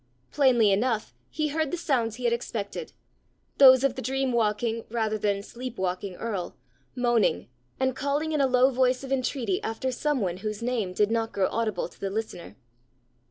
Plainly enough he heard the sounds he had expected those of the dream walking rather than sleep walking earl, moaning, and calling in a low voice of entreaty after some one whose name did not grow audible to the listener.